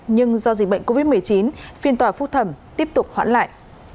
nhưng do dịch bệnh covid một mươi chín phiên tòa phúc thẩm tiếp tục hoãn lại